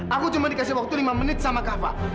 aku cuma dikasih waktu lima menit sama kava